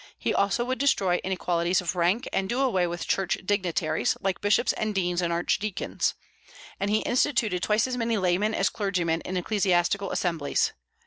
He also would destroy inequalities of rank, and do away with church dignitaries, like bishops and deans and archdeacons; and he instituted twice as many laymen as clergymen in ecclesiastical assemblies.